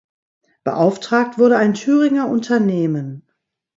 Beauftragt wurde ein Thüringer Unternehmen.